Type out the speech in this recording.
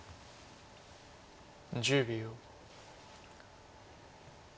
１０秒。